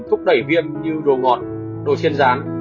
thúc đẩy viêm như đồ ngọt đồ chiên rán